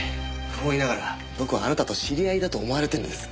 不本意ながら僕はあなたと知り合いだと思われてるんです。